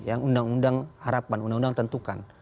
yang undang undang harapan undang undang tentukan